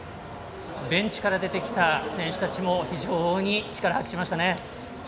ベンチから出てきた選手たちも非常に力を発揮しましたね。